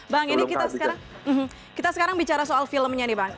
bang ini kita sekarang bicara soal filmnya nih bang